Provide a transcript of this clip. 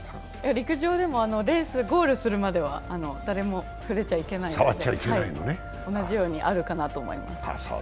陸上でもレース、ゴールするまでは誰も触れちゃいけないので同じようにあるかと思います。